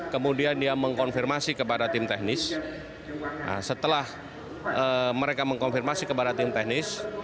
kemudian dia mengkonfirmasi kepada tim teknis setelah mereka mengkonfirmasi kepada tim teknis